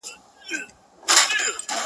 خلک خپل ژوند ته ځي,